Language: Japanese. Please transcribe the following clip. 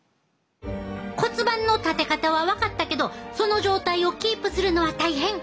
骨盤の立て方は分かったけどその状態をキープするのは大変！